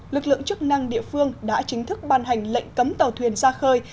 lực lượng chức năng địa phương đã chính thức ban hành lệnh cấm tàu thuyền ra khơi